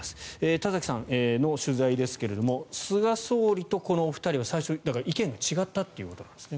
田崎さんの取材ですけど菅総理とこのお二人は最初、意見が違ったということなんですね。